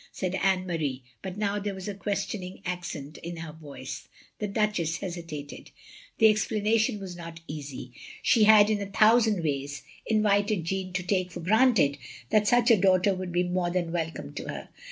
said Anne Marie; but now there was a questioning accent in her voice. The Duchess hesitated. The explanation was not easy. She had, in OF GROSVENOR SQUARE 363 a thotisand wajrs, invited Jeanne to take for granted that such a datighter would be more than welcome to her.